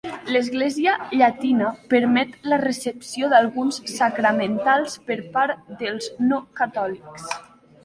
L'Església Llatina permet la recepció d'alguns sacramentals per part dels no catòlics.